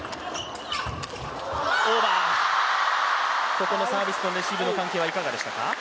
ここのサービスとレシーブの関係はいかがでしたか。